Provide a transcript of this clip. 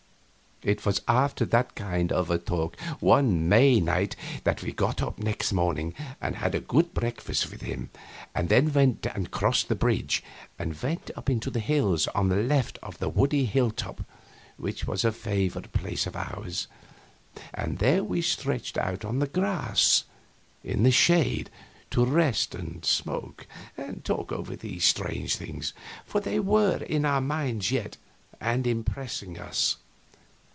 It was after that kind of a talk one May night that we got up next morning and had a good breakfast with him and then went down and crossed the bridge and went away up into the hills on the left to a woody hill top which was a favorite place of ours, and there we stretched out on the grass in the shade to rest and smoke and talk over these strange things, for they were in our minds yet, and impressing us.